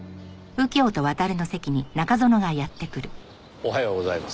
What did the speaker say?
おはようございます。